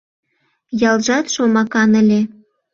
Ялжат шомакан ыле.